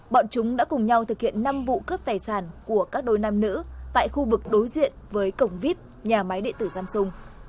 bọn chúng đã cùng nhau thực hiện năm vụ cướp tài sản của các đôi nam nữ tại khu vực đối diện với cổng vip nhà máy địa tử samsung